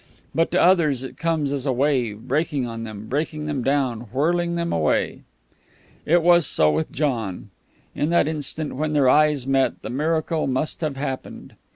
But to others it comes as a wave, breaking on them, beating them down, whirling them away. It was so with John. In that instant when their eyes met the miracle must have happened.